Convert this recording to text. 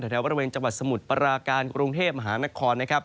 แถวแถวบริเวณจังหวัดสมุทรปราการกรุงเทพฯมหานคร